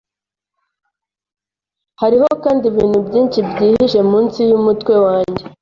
Hariho kandi ibintu byinshi byihishe munsi yumutwe wanjye